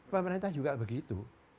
pak merenta juga begitu